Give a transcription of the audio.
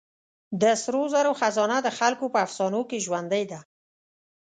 د سرو زرو خزانه د خلکو په افسانو کې ژوندۍ ده.